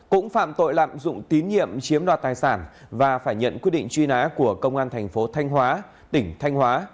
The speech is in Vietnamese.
cũng phạm tội lạm dụng tín nhiệm chiếm đoạt tài sản và phải nhận quyết định truy nã của công an thành phố thanh hóa tỉnh thanh hóa